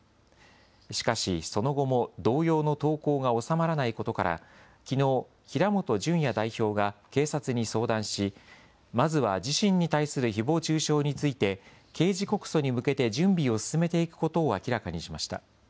しかし、その後も同様の投稿が収まらないことから、きのう、平本淳也代表が警察に相談し、まずは自身に対するひぼう中傷について、刑事告訴に向けて準備を進めていくことを明らかにしました。